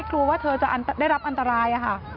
ไม่รู้ว่าเธอจะได้รับอันตราย